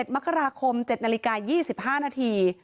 ๑มกราคม๗นาฬิกา๒๕นาที